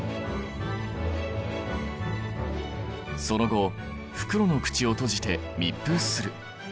その後袋の口を閉じて密封する。